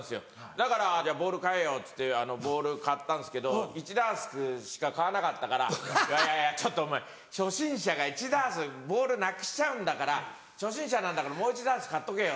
だからボール買えよっつってボール買ったんですけど１ダースしか買わなかったから「いやいやちょっとお前初心者が１ダースボールなくしちゃうんだから初心者なんだからもう１ダース買っとけよ」